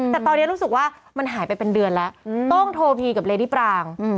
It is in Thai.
แต่ตอนนี้รู้สึกว่ามันหายไปเป็นเดือนแล้วต้องโทพีกับเลดี้ปราง